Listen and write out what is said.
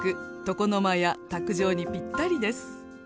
床の間や卓上にぴったりです。